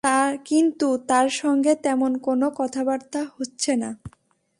কিন্তু তার সঙ্গে তেমন কোনো কথাবার্তা হচ্ছে না।